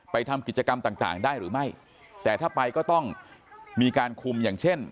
ทำกิจกรรมต่างได้หรือไม่แต่ถ้าไปก็ต้องมีการคุมอย่างเช่น